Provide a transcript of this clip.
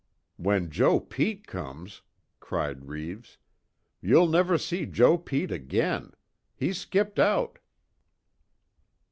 "When Joe Pete comes!" cried Reeves, "You'll never see Joe Pete again! He's skipped out!"